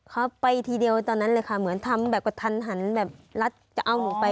เขาไปทีเดียวตอนนั้นเลยค่ะเหมือนทำแบบกระทันหันแบบรัดจะเอาหนูไป